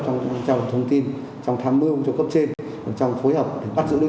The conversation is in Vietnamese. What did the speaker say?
trong trao đổi thông tin trong tham mưu cho cấp trên trong phối hợp bắt giữ đối tượng